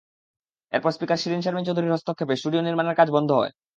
এরপর স্পিকার শিরীন শারমিন চৌধুরীর হস্তক্ষেপে স্টুডিও নির্মাণের কাজ বন্ধ হয়।